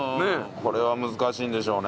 これは難しいんでしょうね。